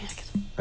え？